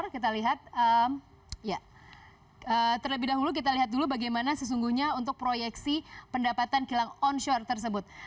kita lihat terlebih dahulu bagaimana sesungguhnya untuk proyeksi pendapatan kilang onshore tersebut